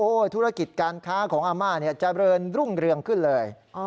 ธุรกิจการค้าของอาม่าเนี่ยเจริญรุ่งเรืองขึ้นเลย